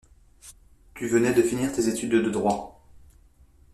Tu venais de finir tes études de droit.